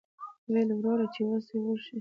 ویل یې وروره چې وسه یې وشي.